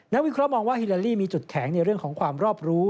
วิเคราะหมองว่าฮิลาลีมีจุดแข็งในเรื่องของความรอบรู้